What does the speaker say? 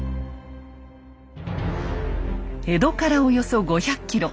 江戸からおよそ５００ｋｍ。